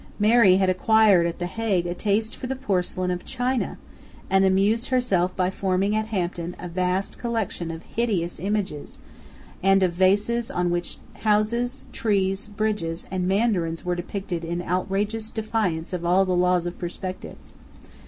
Mary had acquired at the Hague a taste for the porcelain of China, and amused herself by forming at Hampton a vast collection of hideous images, and of vases on which houses, trees, bridges, and mandarins were depicted in outrageous defiance of all the laws of perspective.